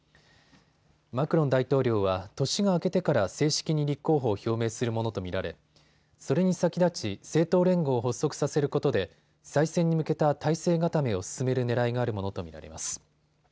マクロン大統領は年が明けてから正式に立候補を表明するものと見られ、それに先立ち、政党連合を発足させることで再選に向けた態勢固めを進めるねらいがあるものと見られます。